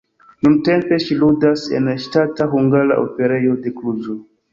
Nuntempe ŝi ludas en Ŝtata Hungara Operejo de Kluĵo.